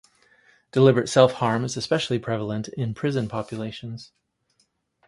Deliberate self-harm is especially prevalent in prison populations.